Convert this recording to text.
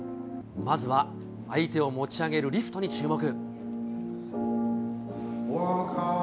まずは相手を持ち上げるリフトに注目。